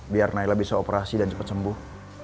biar naila bisa operasi dan cepat sembuh